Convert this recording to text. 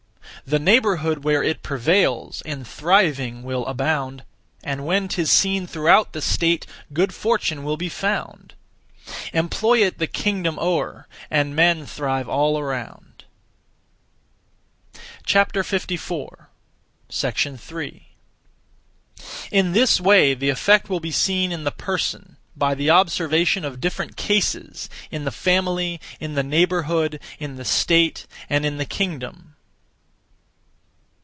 The neighbourhood where it prevails In thriving will abound; And when 'tis seen throughout the state, Good fortune will be found. Employ it the kingdom o'er, And men thrive all around. 3. In this way the effect will be seen in the person, by the observation of different cases; in the family; in the neighbourhood; in the state; and in the kingdom.